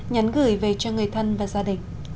nhắn gửi về cho người thân và gia đình